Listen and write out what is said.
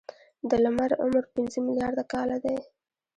د لمر عمر پنځه ملیارده کاله دی.